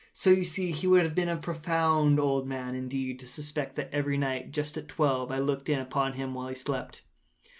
So you see he would have been a very profound old man, indeed, to suspect that every night, just at twelve, I looked in upon him while he slept.